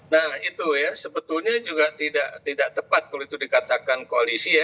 nah itu ya sebetulnya juga tidak tepat kalau itu dikatakan koalisi ya